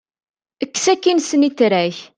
Ekkes akin snitra-k.